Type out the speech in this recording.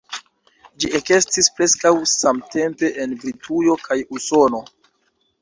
Ĝi ekestis preskaŭ samtempe en Britujo kaj Usono.